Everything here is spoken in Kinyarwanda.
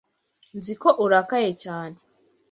Nzi ko urakaye cyane.